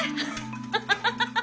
ハハハハハ！